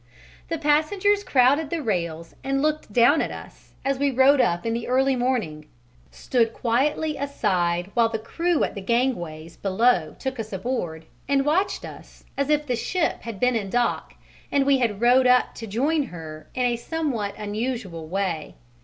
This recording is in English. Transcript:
The passengers crowded the rails and looked down at us as we rowed up in the early morning; stood quietly aside while the crew at the gangways below took us aboard, and watched us as if the ship had been in dock and we had rowed up to join her in a somewhat unusual way.